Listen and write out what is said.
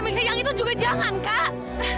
misalnya yang itu juga jangan kak